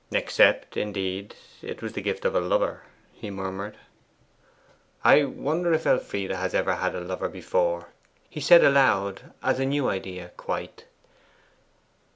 'Except, indeed, it was the gift of a lover,' he murmured. 'I wonder if Elfride has ever had a lover before?' he said aloud, as a new idea, quite.